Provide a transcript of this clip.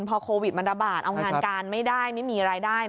พอโควิดมันระบาดเอางานการไม่ได้ไม่มีรายได้